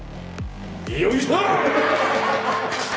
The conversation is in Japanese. よいしょ！